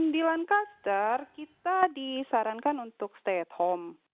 di lancaster kita disarankan untuk stay at home